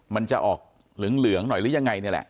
มันจะออกเหลืองหน่อยหรือยังไงนี่แหละ